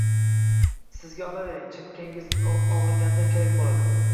Sizga, olavering. Chakkangiz ogʻriganda kerak boʻladi.